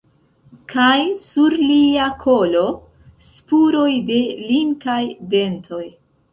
Kaj sur lia kolo – spuroj de linkaj dentoj.